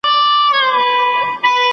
¬ برخي ازلي دي، نه په زور نه په سيالي دي.